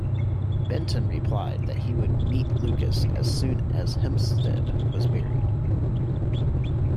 Benton replied that he would meet Lucas as soon as Hempstead was buried.